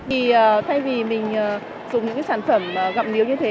thì thay vì mình dùng những cái sản phẩm gặm nướu như thế